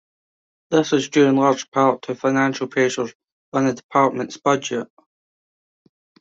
This was due in large part to financial pressures on that department's budget.